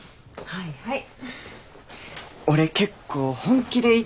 はいはい。